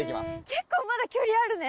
結構まだ距離あるね。